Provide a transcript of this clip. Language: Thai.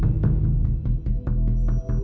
เวลาที่สุดท้าย